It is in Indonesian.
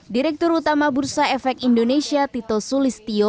direktur utama bursa efek indonesia tito sulistio